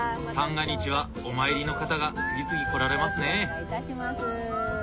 三が日はお参りの方が次々来られますね。